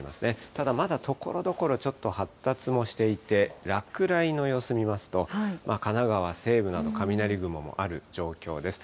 ただまだところどころちょっと発達もしていて、落雷の様子見ますと、神奈川西部など雷雲もある状況です。